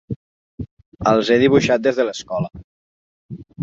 Els he dibuixat des de l'escola.